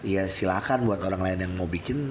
ya silahkan buat orang lain yang mau bikin